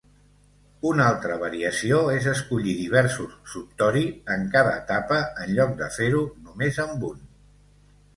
Un altra variació és escollir diversos "subtori" en cada etapa en lloc de fer-ho només amb un.